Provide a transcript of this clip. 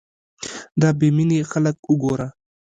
دا بې مينې خلک وګوره